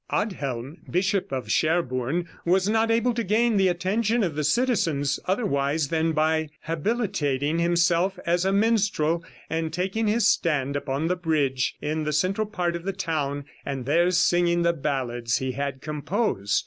Adhelm, bishop of Sherbourne, was not able to gain the attention of the citizens otherwise than by habilitating himself as a minstrel and taking his stand upon the bridge in the central part of the town and there singing the ballads he had composed."